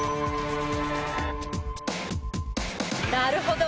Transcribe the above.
なるほど！